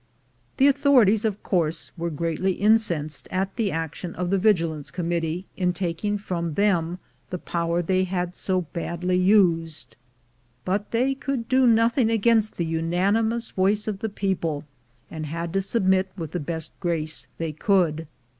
The authorities, of course, were greatly incensed at the action of the Vigilance Committee in taking from them the power they had so badly used, but they could do nothing against the unanimous voice of the people, and had to submit with the best grace they could.